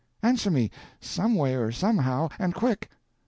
Answer me, some way or somehow—and quick.